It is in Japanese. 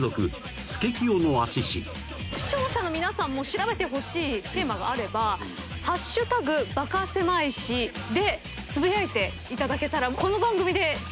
視聴者の皆さんも調べてほしいテーマがあれば「＃バカせまい史」でつぶやいていただけたら。